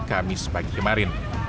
kamis pagi kemarin